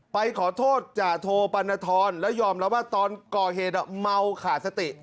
ไปขอโทษจาโทปรณฑรแล้วยอมรับว่าตอนก่อเหตุเมาขาดสติ